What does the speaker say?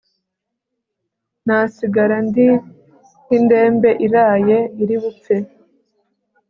nasigara ndi nk'indembe iraye iri bupfe